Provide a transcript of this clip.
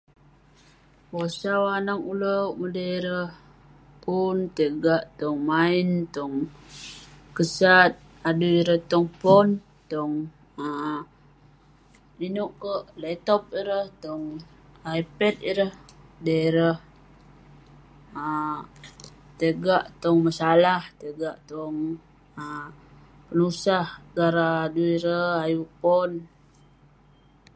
Bosau anaq uleuk medey ireh pun tai gak tong main, tong kesat adui ireh tong pon, tong um ineuk kek, laptop ireh, tong ipad ireh. Dey ireh um tai gak tong masalah, tai gak tong um penusah gara adui ireh ayuk pon.